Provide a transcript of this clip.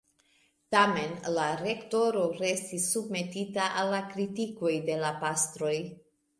Tamen, la rektoro restis submetita al la kritikoj de la pastroj.